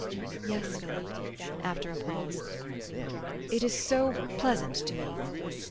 Yes, Philip," after a pause. "It is so pleasant to me.